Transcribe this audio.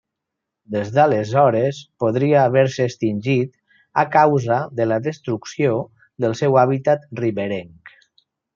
Des d'aleshores, podria haver-se extingit a causa de la destrucció del seu hàbitat riberenc.